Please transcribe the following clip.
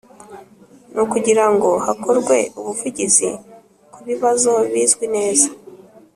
Ni ukugira ngo hakorwe ubuvugizi ku bibazo bizwi neza